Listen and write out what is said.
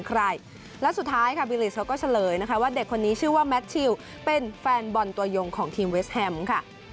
ใครและสุดท้ายค่ะบิลิสเขาก็เฉลยนะคะว่าเด็กคนนี้ชื่อว่าแมททิวเป็นแฟนบอลตัวยงของทีมเวสแฮมค่ะ